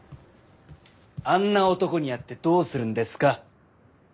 あんな男に会ってどうするんですか？